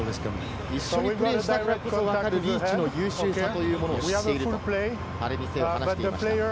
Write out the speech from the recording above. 一緒にプレーしたことがあるリーチの優秀さというものを知っているとタレニ・セウは話しています。